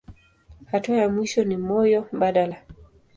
Hatua ya mwisho ni moyo mbadala.